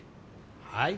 はい。